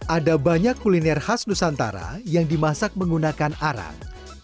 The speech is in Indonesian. ada banyak kuliner khas nusantara yang dimasak menggunakan arang